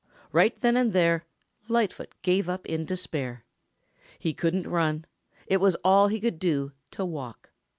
Right then and there Lightfoot gave up in despair. He couldn't run. It was all he could do to walk.